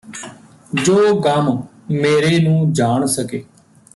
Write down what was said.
ਜੋ ਗਮ ਮੇਰੇ ਨੂੰ ਜਾਣ ਸਕੇ